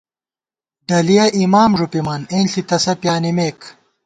ڈلِیَہ اِمام ݫُپِمان ، اېنݪی تسہ پِیانِمېک